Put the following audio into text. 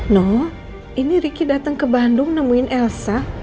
no ini ricky datang ke bandung nemuin elsa